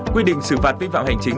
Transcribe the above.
quy định sự phạt vi phạm hành chính